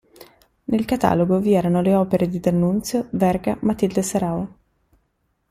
Nel catalogo vi erano le opere di D'Annunzio, Verga, Matilde Serao.